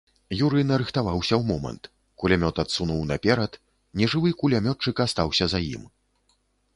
Юры нарыхтаваўся ў момант, кулямёт адсунуў наперад, нежывы кулямётчык астаўся за ім.